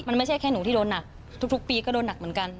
มันไม่ใช่แค่หนูที่โดนหนักทุกปีก็โดนหนักเหมือนกัน